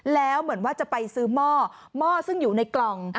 แล้วเหมือนว่าจะไปซื้อหม้อหม้อซึ่งอยู่ในกล่อง